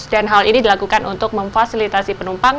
dan hal ini dilakukan untuk memfasilitasi penumpang